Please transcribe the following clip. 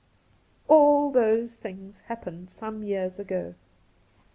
AU those things happened some years ago.